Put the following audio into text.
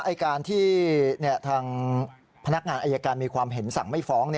ไอ้การที่ทางพนักงานอายการมีความเห็นสั่งไม่ฟ้อง